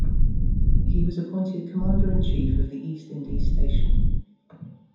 He was appointed Commander-in-Chief of the East Indies Station.